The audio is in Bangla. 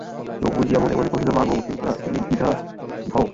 চোখ বুজিয়া মনে মনে কহিল, মা গো, বসুন্ধরা, তুমি দ্বিধা হও।